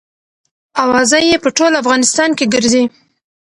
اوازه یې په ټول افغانستان کې ګرزي.